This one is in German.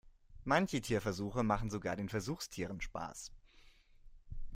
Manche Tierversuche machen sogar den Versuchstieren Spaß.